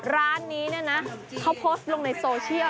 ร้านนี้เนี่ยนะเขาโพสต์ลงในโซเชียล